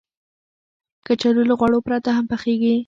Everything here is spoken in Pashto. کچالو له غوړو پرته هم پخېږي